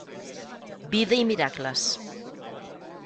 Vida i miracles.